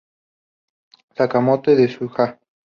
Sakamoto desu ga?